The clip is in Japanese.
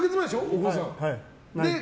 お子さん。